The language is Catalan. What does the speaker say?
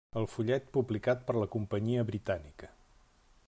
El fullet publicat per la companyia britànica.